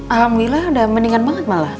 alhamdulillah udah mendingan banget malah